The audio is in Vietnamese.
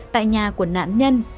tại nhà của nạn nhân